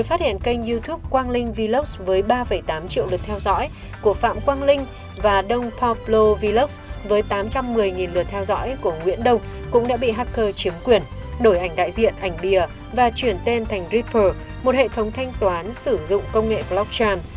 hành vi đã bị hacker chiếm quyền đổi ảnh đại diện ảnh bìa và chuyển tên thành ripper một hệ thống thanh toán sử dụng công nghệ blockchain